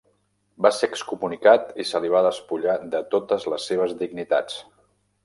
Va ser excomunicat i se li va despullar de totes les seves dignitats.